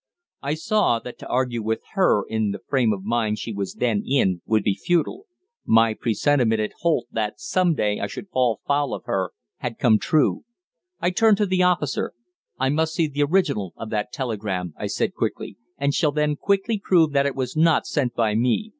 I saw that to argue with her in the frame of mind she was then in would be futile my presentiment at Holt that some day I should fall foul of her had come true! I turned to the officer. "I must see the original of that telegram," I said quickly, "and shall then quickly prove that it was not sent by me.